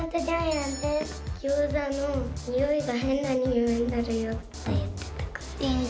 ギョーザのにおいが変なにおいになるよって言ってたから。